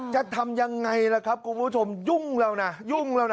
จะทำยังไงล่ะครับคุณผู้ชมยุ่งเรานะ